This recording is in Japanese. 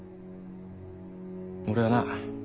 俺はな